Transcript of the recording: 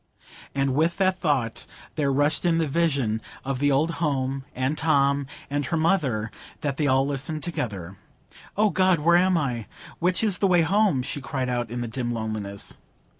And with that thought there rushed in the vision of the old home, and Tom, and her mother,—they had all listened together. "O God, where am I? Which is the way home?" she cried out, in the dim loneliness.